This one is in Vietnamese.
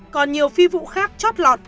còn nhiều phi vụ khác chót lọt